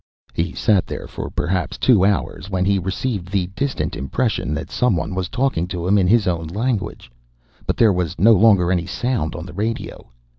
He sat there for perhaps two hours when he received the distant impression that someone was talking to him in his own language. But there was no longer any sound on the radio.